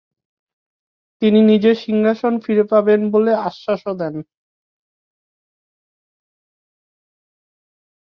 তিনি নিজের সিংহাসন ফিরে পাবেন বলে আশ্বাসও দেন।